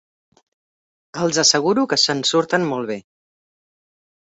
Els asseguro que se'n surten molt bé.